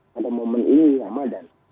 pada momen ini ramadan